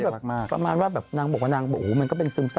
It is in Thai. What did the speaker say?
ประมาณว่าแบบนางบอกว่านางเป็นซึมเศร้าก็จริงไป